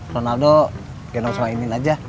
ronaldo gendong sama ini aja